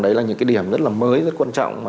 đấy là những cái điểm rất là mới rất quan trọng